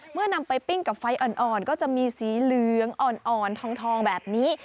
นำไปปิ้งกับไฟอ่อนก็จะมีสีเหลืองอ่อนทองแบบนี้